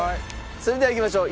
それではいきましょう。